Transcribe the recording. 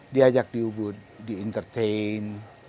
diajak di ubud di entertain